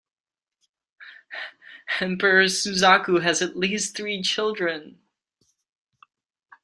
Emperor Suzaku has at least three children.